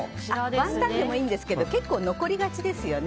ワンタンでもいいんですが結構残りがちですよね。